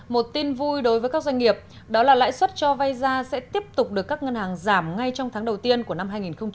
một tin vui đối với các doanh nghiệp đó là lãi suất cho vay ra sẽ tiếp tục được các ngân hàng giảm ngay trong tháng đầu tiên của năm hai nghìn hai mươi